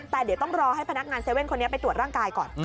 แต่เดี๋ยวต้องรอให้พนักงาน๗๑๑คนนี้ไปตรวจร่างกายก่อน